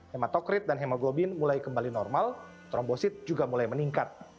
hematokrit dan hemoglobin mulai kembali normal trombosit juga mulai meningkat